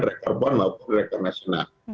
rekor pon maupun rekor nasional